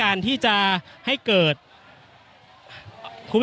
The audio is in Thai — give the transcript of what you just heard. อย่างที่บอกไปว่าเรายังยึดในเรื่องของข้อ